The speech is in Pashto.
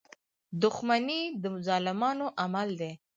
• دښمني د ظالمانو عمل دی.